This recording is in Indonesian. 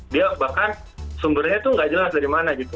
dia bahkan sumbernya itu nggak jelas dari mana gitu